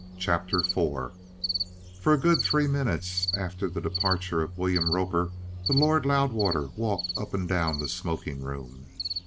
CHAPTER IV For a good three minutes after the departure of William Roper the Lord Loudwater walked up and down the smoking room.